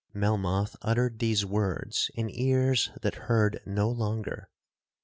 'Melmoth uttered these words in ears that heard no longer.